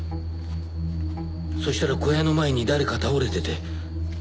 そしたら小屋の前に誰か倒れてて。